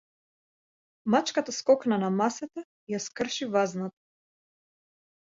Мачката скокна на масата и ја скрши вазната.